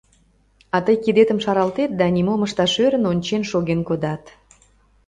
А тый кидетым шаралтет да, нимом ышташ ӧрын, ончен шоген кодат.